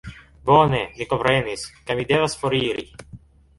Bone, mi komprenis, kaj mi devas foriri